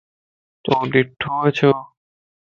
تو ڏڻھوَ ڇو؟